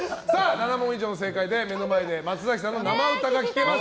７問以上正解で目の前で松崎さんの生歌が聴けます。